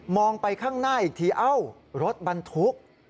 ไปข้างหน้าอีกทีเอ้ารถบรรทุก